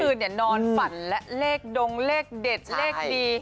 เมื่อคืนนี้นอนฝันและเลขดงเลขเด็ดเลขดี